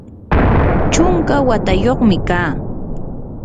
chunka watayuqmi kaa.